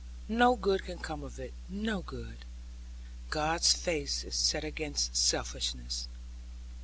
No good can come of it, no good. God's face is set against selfishness.'